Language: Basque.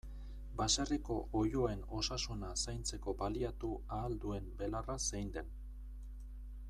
Baserriko oiloen osasuna zaintzeko baliatu ahal duen belarra zein den.